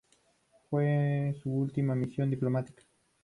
Fue su última misión diplomática.